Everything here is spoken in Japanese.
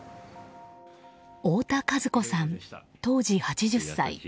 太田和子さん、当時８０歳。